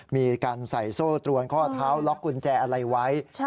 มีการใส่โซ่ตรวนข้อเท้าล็อกกุญแจอะไรไว้